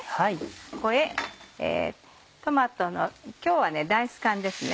ここへトマトの今日はダイス缶です。